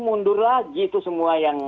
mundur lagi itu semua yang